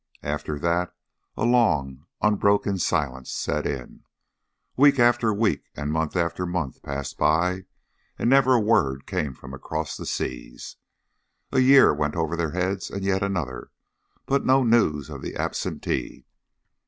After that a long unbroken silence set in. Week after week and month after month passed by, and never a word came from across the seas. A year went over their heads, and yet another, but no news of the absentee.